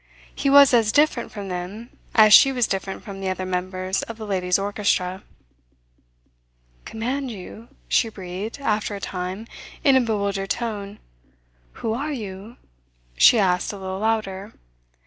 He was as different from them as she was different from the other members of the ladies' orchestra. "Command you?" she breathed, after a time, in a bewildered tone. "Who are you?" she asked a little louder.